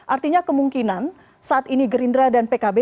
artinya kemungkinan saat ini gerindra dan pkb